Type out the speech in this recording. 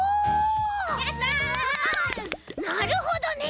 なるほどね。